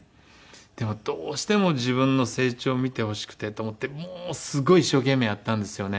でもどうしても自分の成長を見てほしくてと思ってもうすごい一生懸命やったんですよね。